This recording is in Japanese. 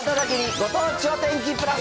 ご当地お天気プラス。